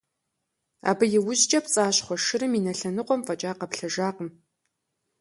Абы и ужькӀэ пцӀащхъуэ шырым и нэ лъэныкъуэм фӀэкӀа къэплъэжакъым.